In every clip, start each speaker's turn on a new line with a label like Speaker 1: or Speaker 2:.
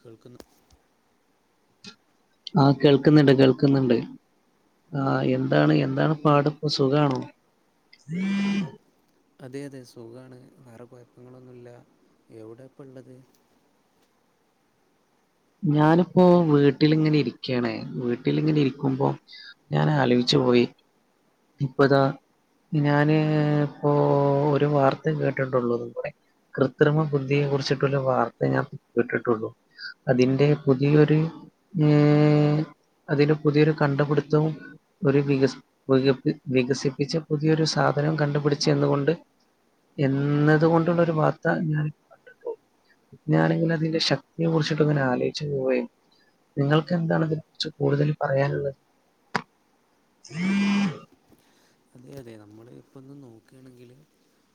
Speaker 1: കേൾക്കുന്നു
Speaker 2: ആ കേൾക്കുന്നുണ്ട് കേൾക്കുന്നുണ്ട് ആ എന്താണ് എന്താണ് പാട് പ്പൊ സുഖണോ?
Speaker 1: അതെ അതെ സുഖാണ് വേറെ കുഴപ്പങ്ങളൊന്നുമല്ല എവിടെ ഇപ്പ ഉള്ളത്
Speaker 2: ഞാനിപ്പോ വീട്ടിലിങ്ങനെ ഇരിക്കയാണ് വീട്ടിലിങ്ങനെ ഇരിക്കുമ്പോ ഞാൻ ആലോചിച് പോയി ഇപ്പതാ ഞാന് ഇപ്പോ ഒരു വാർത്ത കേട്ടിട്ടുള്ളൂ തുകൂടെ കൃത്രിമ ബുദ്ധിയെ കുറിച്ചിട്ടുള്ള വാർത്ത ഞാൻ കേട്ടിട്ടുള്ളു അതിന്റെ പുതിയൊരു ഏ അതിന്റെ പുതിയൊരു കണ്ടുപിടുത്തവും ഒരു വികസ വിക വികസിപ്പിച്ച പുതിയൊരു സാധനം കണ്ടുപിടിച്ചത് കൊണ്ട് എന്നത് കൊണ്ടുള്ള ഒരു വാർത്ത ഞാൻ കണ്ട തോന്നുന്നു പിന്നാണെങ്കിൽ അതിന്റെ ശക്തിയെ കുറിച്ച് [unintelligible] ആലോചിച്ച് പോവുവെ നിങ്ങൾക്ക് എന്താണ് അതിനെ കുറിച്ച് കൂടുതൽ പറയാനുള്ളത് [unintelligible]
Speaker 1: അതെ അതെ നമ്മൾ ഇപ്പൊന്ന് നോക്കുകയാണെങ്കിൽ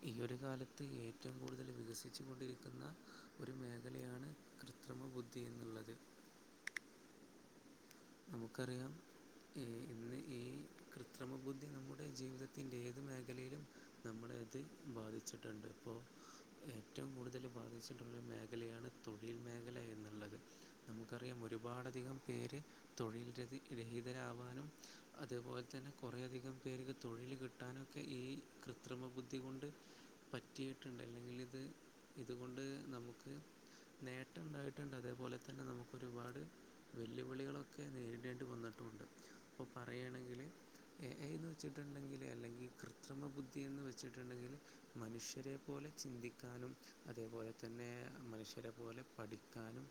Speaker 1: ഈ ഒരു കാലത്ത് ഏറ്റവും കൂടുതൽ വികസിച്ചു കൊണ്ടിരിക്കുന്ന ഒരു മേഖലയാണ് കൃത് കൃത്രിമ ബുദ്ധി എന്നുള്ളത്
Speaker 2: [inaudible]
Speaker 1: നമുക്കറിയാം ഇന്ന് ഈ കൃത്രിമബുദ്ധി നമ്മുടെ ജീവിതത്തിന്റെ ഏത് മേഖലയിലും നമ്മുടെ അത് ബാധിച്ചിട്ടുണ്ട് ഇപ്പോ ഏറ്റവും കൂടുതൽ ബാധിച്ചിട്ടുള്ള മേഖലയാണ് തൊഴിൽ മേഖല എന്നുള്ളത് നമുക്കറിയാം ഒരുപാടധികം പേര് തൊഴിൽ രഹി രഹിതരാവാനും അതെ പോലെ തന്നെ കൊറേയധികം പേര്ക്ക് തൊഴിൽ കിട്ടാനും ഒക്കെ ഈ കൃത്രിമ ബുദ്ധി കൊണ്ട് പറ്റിയിട്ടുണ്ട് അല്ലെങ്കിൽ ഇത് ഇതുകൊണ്ട് നമുക്ക് നേട്ടം ഉണ്ടായിട്ടുണ്ട് അതേപോലെ തന്നെ നമുക്ക് ഒരുപാട് വെല്ലുവിളികളൊക്കെ ഒക്കെ നേരിടേണ്ടി വന്നിട്ടുമുണ്ട് അപ്പോ പറയുകയാണെങ്കിൽ എ ഐ എന്ന് വെച്ചിട്ടുണ്ടെങ്കിൽ അല്ലെങ്കി കൃത്രിമ ബുദ്ധിന്ന് വെച്ചിട്ടുണ്ടെങ്കിൽ മനുഷ്യരെ പോലെ ചിന്തിക്കാനും അതേപോലെ തന്നെ പിന്നെ മനുഷ്യരെ പോലെ പഠിക്കാനും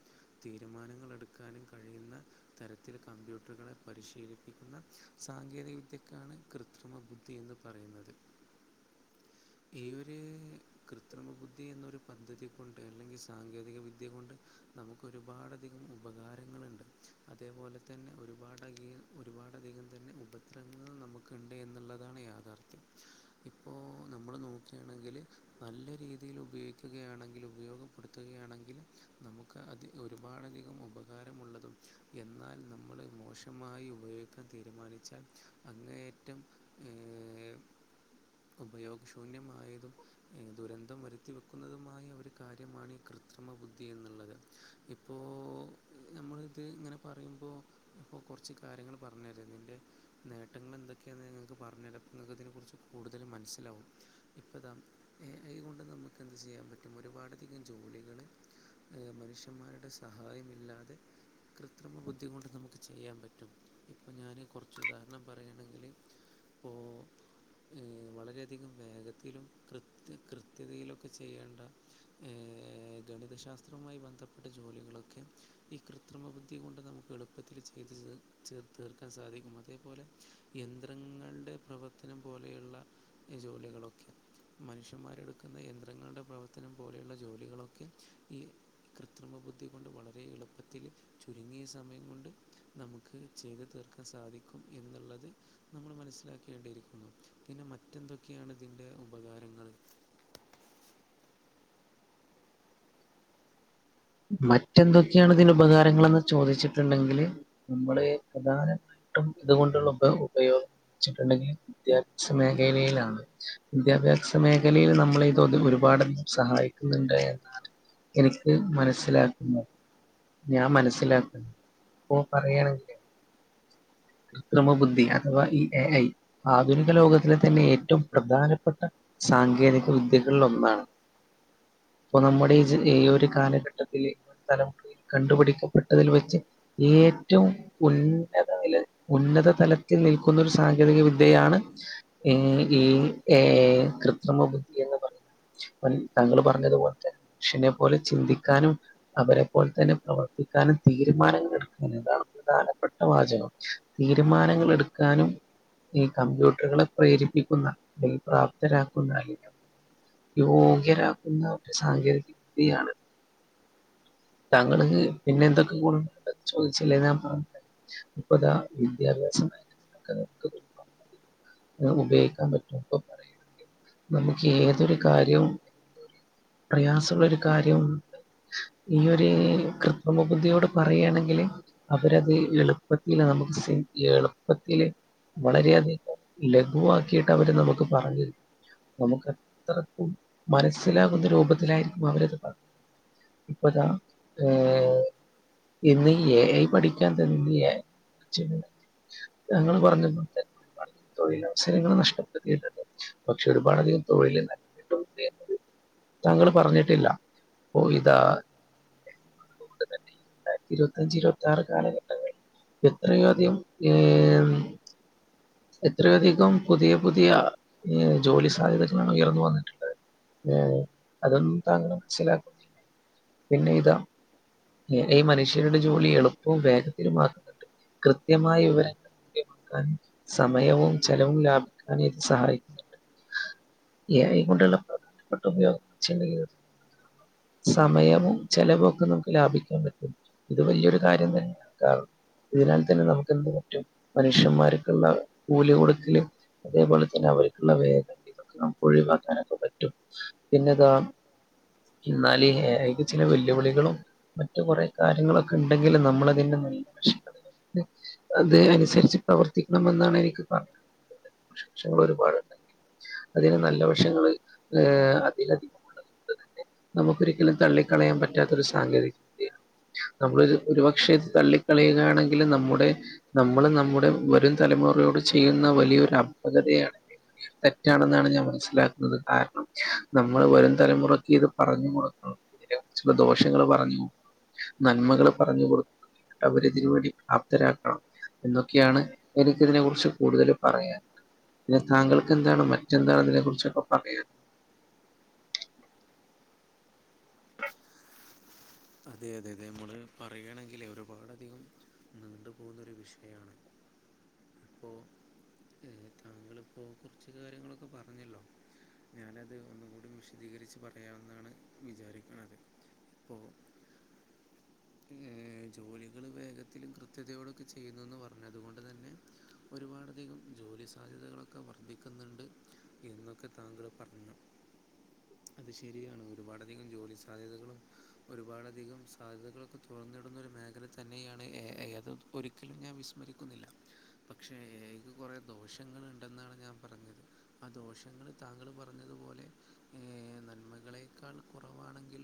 Speaker 1: തീരുമാനങ്ങൾ എടുക്കാനും കഴിയുന്ന തരത്തിൽ കമ്പ്യൂട്ടറുകളെ പരിശീലിപ്പിക്കുന്ന സാങ്കേതിക വിദ്യക്കാണ് കൃത്രിമ ബുദ്ധി എന്ന് പറയുന്നത്
Speaker 2: [inaudible]
Speaker 1: ഈവര് കൃ കൃത്യമ ബുദ്ധി എന്നൊരു പദ്ധതി കൊണ്ട് അല്ലെങ്കിൽ സാങ്കേതിക വിദ്യ കൊണ്ട് നമുക്ക് ഒരുപാടധികം ഉപ
Speaker 2: [inaudible]
Speaker 1: അതേപോലെ തന്നെ ഒരുപാടധികം ഒരുപാടധികം തന്നെ ഉപദ്രങ്ങൾ നമുക്കിണ്ട് എന്നുള്ളതാണ് യാഥാർഥ്യം ഇപ്പോ നമ്മൾ നോക്കുകയാണെങ്കിൽ നല്ല രീതിയിൽ ഉപയോഗിക്കുകയാണ് ആണെങ്കിൽ ഉപയോഗപ്പെടുത്തുകയാണെങ്കിൽ നമുക്ക് അത് ഒരുപാടധികം ഉപകാരമുള്ളതും എന്നാൽ നമ്മൾ മോശമായി ഉപയോഗിക്കാൻ തീരുമാനിച്ചാൽ അങ്ങേയറ്റം
Speaker 2: [inaudible]
Speaker 1: ഉപയോഗശൂന്യമായതും ദുരന്തം വരുത്തി വരുത്തി വെക്കുന്നതുമായ ഒരു കാര്യമാണ് ഈ കൃത്രിമ ബുദ്ധി എന്നുള്ളത് ഇപ്പോ നമ്മൾ ഇത് ഇങ്ങനെ പറയുമ്പോ ഇപ്പോ കുറച്ച് കാര്യങ്ങൾ പറഞ്ഞുതരുന്നുണ്ടെ നേട്ടങ്ങൾ എന്തൊക്കെയാെന്ന് ഞങ്ങൾക്ക് പറഞ്ഞ നിങ്ങൾക്കതിനെ കുറിച്ച് കൂടുതൽ മനസ്സിലാവും ഇപ്പ താ അതൊണ്ട് നമുക്ക് എന്ത് ചെയ്യും ചെയ്യാൻ പറ്റും ഒരുപാടധികം ജോലികൾ മനുഷ്യന്മാരുടെ സഹായമില്ലാതെ കൃത്രിമ ബുദ്ധി കൊണ്ട് നമുക്ക് ചെയ്യാൻ പറ്റും ഇപ്പ ഞാന് കുറച്ച് ഉദാഹരണം പറയാണെങ്കിൽ ഓ വളരെയധികം വേഗത്തിലും കൃത്യ കൃത്യതയിലൊക്കെ ചെയ്യേണ്ട ഗണിതശാസ്ത്രവുമായി ബന്ധപ്പെട്ട ജോലികളൊക്കെ ഈ കൃത്രിമ ബു ബുദ്ധി കൊണ്ട് നമുക്ക് എളുപ്പത്തിൽ ചെയ്ത് ചേർ തീർക്കാൻ സാധിക്കും അതേപോലെ യന്ത്രങ്ങളുടെ പ്രവർത്തനം പോലെയുള്ള ഈ ജോലികളൊക്കെ മനുഷ്യന്മാരെടുക്കുന്ന യന്ത്രങ്ങളുടെ പ്രവർത്തനം പോലെയുള്ള ജോലികളൊക്കെ ഈ കൃത്രിമ ബുദ്ധി കൊണ്ട് വളരെ എളുപ്പത്തില് ചുരുങ്ങിയ സമയം കൊണ്ട് നമുക്ക് ചെയ്ത് തീർക്കാൻ സാധിക്കും എന്നുള്ളത് നമ്മൾ മനസ്സിൽ മനസ്സിലാക്കേണ്ടിയിരിക്കുന്നു പിന്നെ മറ്റെന്തൊക്കെയാണ് ഇതിൻ്റെ ഉപകാരങ്ങള്
Speaker 2: [inaudible] മറ്റെന്തൊക്കെയാണ് ഇതിന് ഉപകാരങ്ങളന്ന് ചോദിച്ചിട്ടുണ്ടെങ്കില് നമ്മള് പ്രധാന ട്ടും ഇത് കൊണ്ടുള്ള ഉപയോഗ, ഉപയോഗിച്ചിട്ടുണ്ടെങ്കി, വിദ്യാ ച്ച മേഖലയിലാണ്. ദ്യ ജാരിച്ച മേഖലയില് നമ്മളെ ഇതോ ഇതൊരുപാട് സഹായിക്കുന്നുണ്ട് എന്നാണ് എനിക്ക് മന സില ഞാൻ മനസ്സിലാ പൊ പറയാണെങ്കിലെ [inaudible] കൃത്രിമ ബുദ്ധി അഥവാ ഈ എ ഐ ആധുനിക ലോകത്തിലെ തന്നെ ഏറ്റവും പ്രധാനപ്പെട്ട- സാങ്കേതിക വിദ്യകളിളൊന്നാണ് ഇപ്പ നമ്മുടെ ഇജ് ഈ ഒരു കാലഘട് [unintelligible] കണ്ടുപിടിക്കപ്പെട്ടതിൽ വെച്ച് ഏറ്റോം ഉന്നത നില ഉന്നത തലത്തിൽ നിൽക്കുന്ന ഒരു സാങ്കേതിക വിദ്യയാണ് ഈ ഏ. എ കൃത്രിമ ബുദ്ധിയെന്ന് പറയ്ന്ന [unintelligible] താങ്കള് പറഞ്ഞതുപോലെത്തെ നുഷ്യനെപോലെ പോലെ ചിന്തിക് കാനും അവരെ പോല് തന്നെ പ്രവർത്തിക്കാനും തീരുമാനങ്ങളെടുക്കാനും അതാണ് പ്രധാനപ്പെട്ട വാചകം തീരുമാനങ്ങള് എട്ക്കാനും ഈ കമ്പ്യൂട്ടറ്കളെ പ്രേരിപ്പിക്കുന്ന ബൽപ്രാപ്തരാക്കുന്ന [unintelligible] യോഗ്യരാക്കുന്ന ഒരു സാങ്കേതിക വിദ്യയാണ് താങ്കള് പിന്നെ പിനെന്തൊക്കെ [unintelligible] ചോയ്ച്ചില്ലേ ഞാ [unintelligible] മുപ്പത വിദ്യാഭ്യാസ [inaudible] ഉപയോക്കാ പറ്റുവൊനിപ്പ പറയ നമുക്കേതൊരു കാര്യവും. പ്രയാസുള്ളൊരു കാര്യം ഈയൊര് കൃത്രിമബുദ്ധിയോട് പറയ്യാണെങ്കില് അവരത് എളുപ്പത്തില് നമുക്ക് ഈ എളുപ്പത്തില് വളരെയധികം ലഘുവാക്കിയിട്ടവര് നമുക്ക് പറഞ്ഞരും. നമുക്കത്രക്കും മനസ്സിലാകുന്ന രൂപത്തിലായ്രിക്കും അവരത് പ ഇപ്പതാ ഏഹ് ഇന്ന് ഈ എ ഐ പഠിക്കാൻ തന്യേ ഞങ്ങള് പറഞ്ഞ [unintelligible] തൊഴിലവസരങ്ങള് നഷ്ടപ്പെടുത്തിയിട്ടുണ്ട് പക്ഷെ ഒരുപാട് ഈ തൊഴ്ലന്നെ [unintelligible] താങ്കള് പറഞ്ഞിട്ടില്ല ഓഹ് ഇതാ ഇരുവത്തഞ്ചിരുവത്തിയാറ് കാലഘട്ടങ്ങൾ എത്രയ അധികം ഏഹ് എത്രയധികം പുതിയ പുതിയ ജോലി സാധ്യതകളാണ് ഉയർന്നു വന്നിട്ടുള്ളത്. ഏഹ് അതൊന്നും താങ്കള് മനസ്സിലാക്കും പിന്നെ ഇതാ ഈ മനുഷ്യരുടെ ജോലി എളുപ്പവും വേഗത്തിലുമാക്കുന്നുണ്ട്. കൃത്യമായ [unintelligible] സമയവും ചെലവും ലാഭിക്കാ ഈ എ ഐ കൊണ്ടുല്ലൊ [unintelligible] സമയവും ചെലവു ഒക്കെ നമുക്ക് ലാഭിക്കാൻ പറ്റും ഇത് വെല്യോരു കാര്യം തന്നെ ക്കാ ഇതിനാത് തന്നെ നമുക്കെന്ത് പറ്റും മനുഷ്യമ്മാര്- [unintelligible] കൂലി കൊടുകള് അതേപോലെ തന്നെ അവര്ക്കുള്ള വേദ്ന ഒഴിവാക്കാനൊക്കെ പറ്റും പിന്നെതാ ഇന്നാല് അയ്ലെ ചെല വെല്ലുവിളികളും മറ്റ് കൊറേ കാര്യങ്ങൾ ഒക്കെ ഇണ്ടെങ്കിലും നമ്മളത്തിന്റെ അതെ അനുസരിച്ച് പ്രവർത്തിക്കണമെന്നാണ് എനിക്ക് പ നിങ്ങ ഒരുപാടുണ്ടെങ്കി അതിന് നല്ല വശങ്ങള് [unintelligible] നമുക്കൊരിക്കലും തള്ളിക്കളയാൻ പറ്റാത്തൊരു സാങ്കേതിക നമ്മൾ ഒരു ഒരുപക്ഷേ ഇത് തള്ളിക്കയുന്നയാണെങ്കിലും നമ്മുടെ നമ്മള് നമ്മുടെ വരും തലമുറയോട് ചെയ്യുന്ന വലിയൊരു അപ്കതയാണ് തെറ്റാണന്നാണ് ഞാൻ മനസ്സിലാക്കുന്നത് കാര്ണം നമ്മള് വരും തലമുറക്ക് ഇത് പറഞ്ഞു കൊടുക് ഇതിനെ കുറ്ച്ചുള്ള ദോഷങ്ങള് പറഞ്ഞു. നന്മകള് പറഞ്ഞു കൊടു അവരെ ഇതിനുവേണ്ടി പ്രാപ്തരാക്കണം എന്നൊക്കെയാണ് എനിക്കിതിനെ കുറ്ച്ച് കൂടുതലും പിന്നെ താങ്കൾക്കെന്താണ് മറ്റ് എന്താണ് ഇതിനെ കുറിച് പറയാൻ ഉള്ളത് [unintelligible]
Speaker 1: അതെ അതെ അതെ മ്മള് പറയാണെങ്കിൽ ഒരുപാടധികം നീണ്ടുപോവുന്ന ഒരു വിഷയമാണ്.
Speaker 2: [inaudible]
Speaker 1: അപ്പോ ഉം താങ്കളിപ്പോ കുറച്ച് കാര്യങ്ങളൊക്കെ പറഞ്ഞല്ലോ ഞാനത് ഒന്നുകൂടി വിശദീകരിച്ച് പറയാമെന്നാണ് വിചാരിക്ക്ണത് അപ്പോ ഏ ജോലികള് വേഗത്തിലും കൃത്യതയോടൊക്കെ ചെയ്യുന്നൂന്ന് പറഞ്ഞതുകൊണ്ട് തന്നെ ഒരു പാട്ധികം ജോലി സാധ്യതകളൊക്കെ വർദ്ധിക്കുന്നുണ്ട് എന്നൊക്കെ താങ്കൾ പറഞ്ഞു
Speaker 2: [inaudible]
Speaker 1: അത് ശരിയാണ് ഒരുപാടധികം ജോലി സാധ്യതകളും ഒരുപാടധികം സാധ്യതകളും തൊറന്നിടുന്നൊരു മേഖല തന്നെയാണ് എ ഐ അത് ഒരിക്കലും ഞാൻ വിസ്മരിക്കുന്നില്ല പക്ഷേ എ ഐക്ക് കുറേ ദോഷങ്ങളൾ ഉണ്ടെന്നാണ് ഞാൻ പറഞ്ഞത് ആ ദോഷങ്ങളു താങ്കൾ പറഞ്ഞതുപോലെ ഏ നന്മകളെക്കാൾ കുറവാണെങ്കിൽ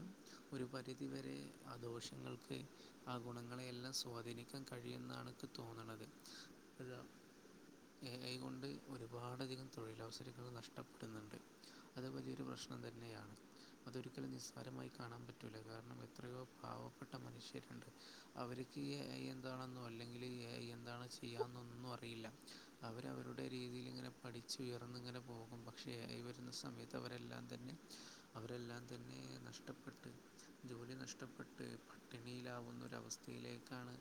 Speaker 1: ഒരു പരിധിവരെ ആ ദോഷങ്ങൾ ഓക്കെ ആ ഗുണങ്ങളെയെല്ലാം സ്വാധീനിക്കാൻ കഴിയുന്നാണ് ഇക്ക് തോന്നണത് എ ഐ കൊണ്ട് ഒരു പാട്ധികം തൊഴിലവസരങ്ങൾ നഷ്ടപ്പെടുന്നുണ്ട് അത് വലിയൊരു പ്രശ്ന ഭക്ഷണം തന്നെയാണ് അതൊരിക്കലും നിസ്സാരമായി കാണാൻ പറ്റില്ല കാരണം എത്രയോ പാവപ്പെട്ട മനുഷ്യരുണ്ട് അവരിക്കീയെ എന്താണെന്നോ അല്ലെങ്കിൽ എന്താണ് ചെയ്യാനൊന്നും അറിയില്ല ഇല്ല അവരവരുടെ രീതിയിലിങ്ങനെ പഠിച്ചുയർന്നിങ്ങനെ പോകും പക്ഷെ എ ഐ വരുന്ന സമയത്തെ അവർ എല്ലാം തന്നെ അവരെല്ലാം തന്നെ നഷ്ടപ്പെട്ടെ ജോലി നഷ്ടപ്പെട്ടെ പട്ടിണിയിലാവുന്നൊരവസ്ഥയിലേക്കാണ്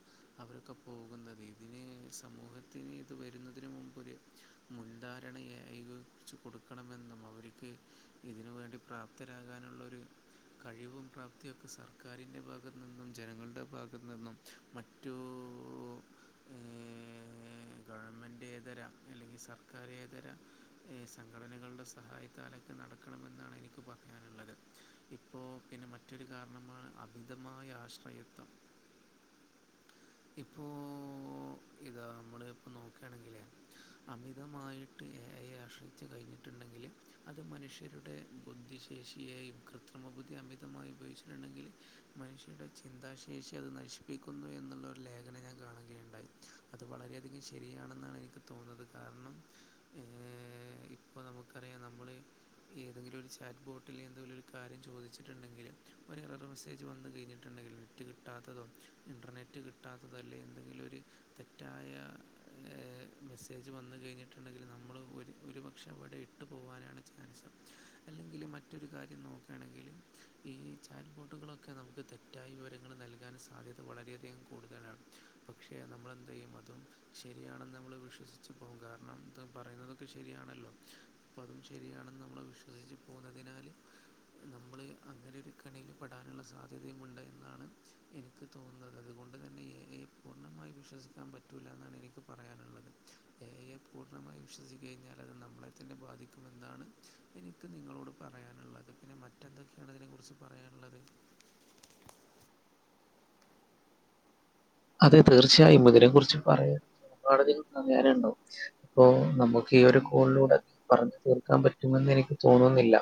Speaker 1: അവരൊക്കെ പോകുന്നത് ഇതിനെ സമൂഹത്തിന് ഇതു വരുന്നതിന് മുമ്പൊരു മുൻധാരണയായിതെ കുറിച്ച് കൊടുക്കണമെന്നും അവർക്ക് ഇതിനുവേണ്ടി പ്രാപ്തരാകാനുള്ളൊരു കഴിവും പ്രാപ്തിയൊക്കെ സർക്കാരിന്റെ ഭാഗ ഭാഗത്ത് നിന്നും ജനങ്ങളുടെ ഭാഗത്ത് നിന്നും മറ്റു ഏ ഗവൺമെൻറ് എതിരാ അല്ലെങ്കിൽ സർക്കാരെ എതിരാ ഈ സംഘടനകളുടെ സഹായത്താലെ നടക്കണമെന്നാണ് എനിക്ക് പറയാനുള്ളത് ഇപ്പോ പിന്നെ മറ്റൊരു കാരണമാണ് അത് മിതമായ ആശ്രയത്വം
Speaker 2: [inaudible]
Speaker 1: ഇപ്പോ ഇതാ നമ്മളിപ്പോ നോക്കയാണെങ്കിലേ അമിതമായിട്ടീ എ ഐ ആശ്രയിച്ച് കഴിഞ്ഞിട്ടുണ്ടെങ്കിൽ അത് മനുഷ്യരുടെ ബുദ്ധിശേഷിയെയും കൃത്രിമ അമിതമായി ഉപയോഗിച്ചിട്ടുണ്ടെങ്കിൽ മനുഷ്യന്റെ ചിന്താശേഷി അത് നശിപ്പിക്കുന്നു എന്നുള്ളൊരു ലേഖനം ഞാൻ കാണുകയുണ്ടായി അത് വളരെ ധികം ശരിയാണെന്നാണ് എനിക്ക് തോന്നുന്നത് കാരണം ഏ ഇപ്പ നമുക്കറിയാം നമ്മളെ ഏതെങ്കിലും ഒരു ചാറ്റ് ബോട്ടിലെന്നൊരു കാര്യം ചോദിച്ചിട്ടുണ്ടെങ്കിലും ഒരറുവാസെ വന്നു കഴിഞ്ഞിട്ടുണ്ടെങ്കിൽ നെറ്റു കിട്ടാത്തതോ ഇന്റർനെറ്റ് കിട്ടാത്തതോ അല്ലേ എന്തെങ്കിലൊരു തെറ്റ മയ എ മെസ്സേജു വന്നു കഴിഞ്ഞിട്ടുണ്ടെങ്കിൽ നമ്മളു ഒരു പക്ഷെ അവിടെ ഇട്ട് പോകാൻ ചാൻസുണ്ടെ അല്ലെങ്കിലു മറ്റൊരു കാര്യം നോക്കയാണെങ്കിലെ ഈ ചാറ്റ് ബോട്ടുകളൊക് ഒക്കെ നമുക്ക് തെറ്റായ വിവരങ്ങൾ നൽകാൻ സാധ്യത വളരെയധികം കൂടുതലാണ് പക്ഷേ നമ്മളെന്ത് ചെയ്യും അതും ശരിയാണെന്ന് നമ്മൾ വിശ്വസിച്ച് പോകും കാരണം ഇത് പറയുന്നതൊക്കെ ശരിയാണല്ലോ അപ്പോൾ അതും ശരിയാണെന്ന് നമ്മൾ വിശ്വസിച്ച് പോന്നതിനാലെ നമ്മളെ അങ്ങനൊരു കണിയിൽ പെടാൻ സാധ്യതയുമുണ്ട് എന്നാണ് എനിക്ക് തോന്നുന്നത് അതുകൊണ്ട് തന്നെ എ ഐ യെ പൂർണ്ണമായി വിശ്വസിക്കാ പറ്റൂല്ലന്നാണ് എനിക്ക് പറയാനുള്ളത് എ ഐ യെ പൂർണ്ണമായി വിശ്വസിച്ചു കഴിഞ്ഞാൽ അത് നമ്മളെ തന്നെ ബാധിക്കും എന്താണ് എനിക്ക് നിങ്ങളോട് പറയാനുള്ളത് പിന്നെ മറ്റെന്തൊക്കെയാണ് ഇതിനെക്കുറിച്ച് പറയാനുള്ളത്
Speaker 2: അതെ തീർച്ചയായും ഇതിനെ കുറിച്ച് പറയാ ഒരുപാട് അധികം പറയാനുണ്ടാകും ഉണ്ടാവും അപ്പോ നമുക്ക് ഈ ഒരു കോളിലൂടെ പറഞ്ഞു തീർക്കാൻ പറ്റുമെന്ന് എനിക്ക് തോന്നുന്നില്ല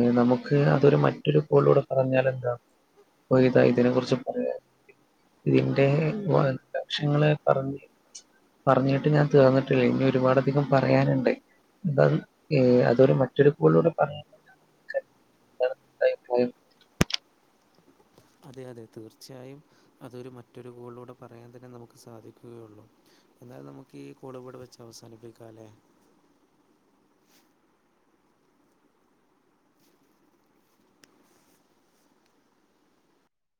Speaker 2: ഏ നമുക്ക് അതൊരു മറ്റൊരു കോളിലൂടെ പറഞ്ഞാൽ എന്താ [unintelligible] ഇതിനെ കുറിച്ച് പറ വഷങ്ങള് പറഞ്ഞഞ് [unintelligible] പറഞ്ഞിട്ടെ ഞാൻ തീർന്നിട്ടില്ല ഇനി ഒരുപാടധികം പറയാനുണ്ട് എന്താ ഏ അതൊരു മറ്റൊരു കോളിലൂടെ പറഞ്ഞ [unintelligible] പ്പോയി
Speaker 1: അതെ അതെ തീർച്ചയായും അതൊരു മറ്റൊരു കോളിലൂടെ പറയാൻ തന്നെ നമുക്ക് സാധിക്കുകയുള്ളു എന്നായാലും നമുക്ക് ഈ കോളിവിടെ വെച്ച് അവസാനിപ്പിക്കാം അല്ലേ
Speaker 2: [inaudible]